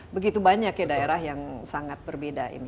begitu banyak ya daerah yang sangat berbeda ini